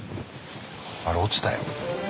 あれ落ちたよ。